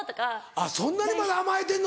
あっそんなにまだ甘えてんの？